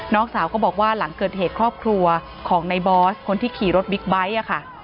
น้องสาวก็บอกว่าหลังเกิดเหตุครอบครัวของในบอสคนที่ขี่รถบิ๊กไบท์ค่ะ